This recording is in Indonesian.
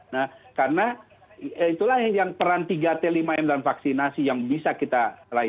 nah karena itulah yang peran tiga t lima m dalam vaksinasi yang bisa kita lakukan